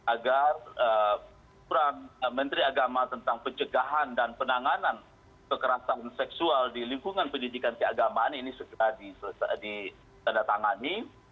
agar peran menteri agama tentang pencegahan dan penanganan kekerasan seksual di lingkungan pendidikan keagamaan ini segera ditandatangani